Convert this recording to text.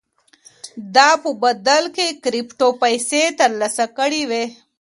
ده په بدل کې کرېپټو پيسې ترلاسه کړې وې.